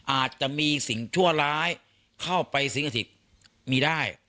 อาจจะมีสิ่งชั่วร้ายเข้าไปสิงสิทธิ์มีได้